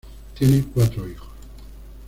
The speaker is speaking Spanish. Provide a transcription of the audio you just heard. Tiene cuatro hijos